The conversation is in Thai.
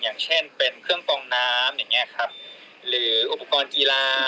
อย่างเช่นเป็นเครื่องฟองน้ำอย่างเงี้ยครับหรืออุปกรณ์กีฬา